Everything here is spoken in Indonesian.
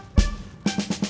ah eh malah ke